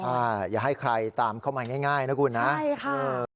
ใช่อย่าให้ใครตามเข้ามาง่ายนะคุณนะใช่ค่ะ